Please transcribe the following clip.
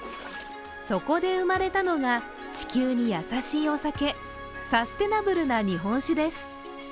そこで生まれたのが、地球に優しいお酒、サステナブルな日本酒です。